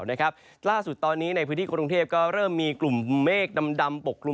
ล่าสุดตอนนี้ในพื้นที่กรุงเทพก็เริ่มมีกลุ่มเมฆดำปกกลุ่ม